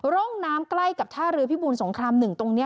ร่องน้ำใกล้กับท่าเรือพิบูรสงคราม๑ตรงนี้